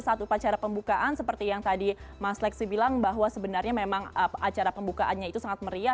saat upacara pembukaan seperti yang tadi mas leksi bilang bahwa sebenarnya memang acara pembukaannya itu sangat meriah